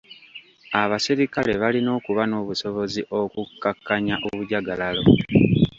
Abaserikale balina okuba n'obusobozi okukakkanya obujagalalo.